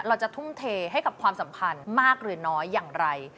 เราจะทุ่มเทให้กับความสัมพันธ์มากหรือน้อยอย่างไร